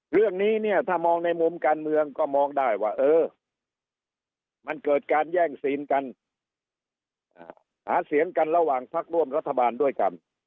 เรื่องนี้เนี่ยถ้ามองในมุมการเมืองก็มองได้ว่าเออมันเกิดการแย่งซีนกันหาเสียงกันระหว่างพักร่วมรัฐบาลด้วยกัน